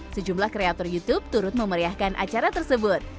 sejumlah kreator youtube turut memeriahkan acara tersebut